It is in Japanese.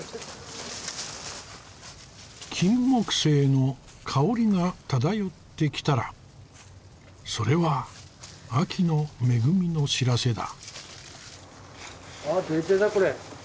キンモクセイの香りが漂ってきたらそれは秋の恵みの知らせだ。